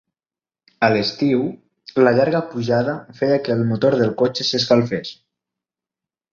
A l'estiu, la llarga pujada feia que el motor del cotxe s'escalfés.